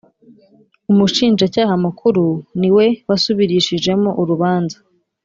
Umushinjacyaha mukuru niwe wasubirishijemo urubanza